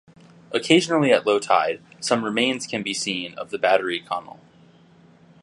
Occasionally at low tide, some remains can be seen of the Battery Connell.